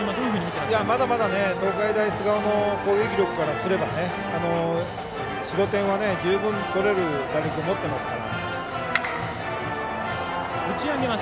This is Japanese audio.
まだまだ東海大菅生の攻撃力からすれば４５点は十分取れる打力を持っていますから。